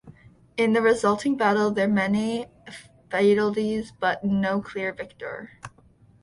In the resulting battle there many fatalities, but no clear victor.